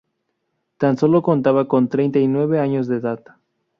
Tan sólo contaba con treinta y nueve años de edad.